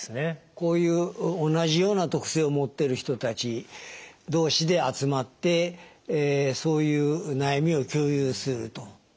こういう同じような特性を持ってる人たち同士で集まってそういう悩みを共有すると。